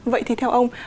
vậy thì theo ông